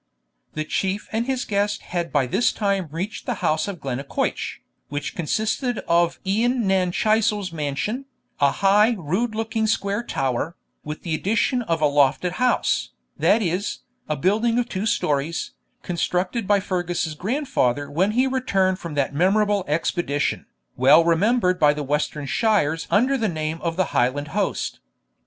The chief and his guest had by this time reached the house of Glennaquoich, which consisted of Ian nan Chaistel's mansion, a high rude looking square tower, with the addition of a lofted house, that is, a building of two stories, constructed by Fergus's grandfather when he returned from that memorable expedition, well remembered by the western shires under the name of the Highland Host.